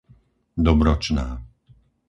Dobročná